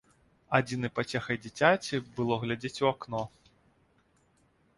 Адзінай пацехай дзіцяці было глядзець у акно.